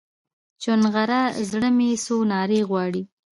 چونغره زړه مې څو نارې غواړي